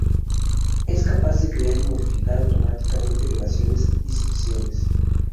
Es capaz de crear y modificar automáticamente elevaciones y secciones.